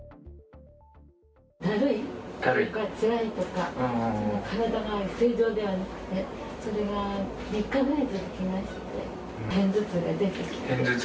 だるいとかつらいとか、体が正常ではない、それが３日ぐらい続きまして、片頭痛が出て？